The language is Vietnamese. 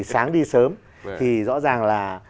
sáng đi sớm thì rõ ràng là